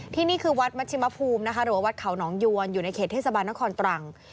นี่คือวัดมัชิมภูมินะคะหรือว่าวัดเขาหนองยวนอยู่ในเขตเทศบาลนครตรัง